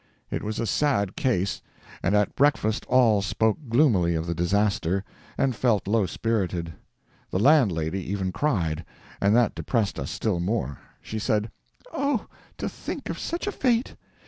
It was a sad case, and at breakfast all spoke gloomily of the disaster, and felt low spirited. The landlady even cried, and that depressed us still more. She said: "Oh, to think of such a fate!